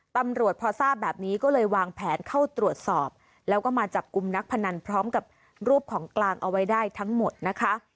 ตำรวจพอทราบแบบนี้ก็เลยวางแผนเข้าตรวจสอบแล้วก็มาจับกลุ่มนักพนันพร้อมกับรูปของกลางเอาไว้ได้ทั้งหมดนะคะ